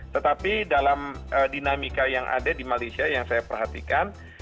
tetapi dalam dinamika yang ada di malaysia yang saya perhatikan